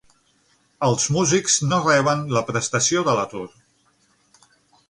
Els músics no reben la prestació de l'atur.